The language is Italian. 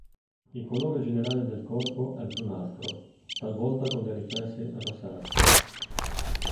Il colore generale del corpo è brunastro talvolta con dei riflessi rossastri.